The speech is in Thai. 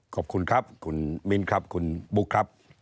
ขอบคุณครับคุณมิ้นครับคุณบุ๊คครับ